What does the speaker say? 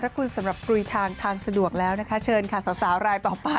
สำหรับกลุยทางทางสะดวกแล้วนะคะเชิญค่ะสาวรายต่อไป